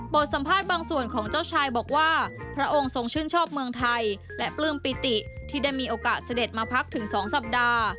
สัมภาษณ์บางส่วนของเจ้าชายบอกว่าพระองค์ทรงชื่นชอบเมืองไทยและปลื้มปิติที่ได้มีโอกาสเสด็จมาพักถึง๒สัปดาห์